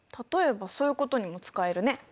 例えばそういうことにも使えるね。